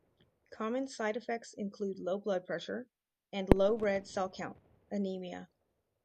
Common side effects include low blood pressure and low red cell count (anemia).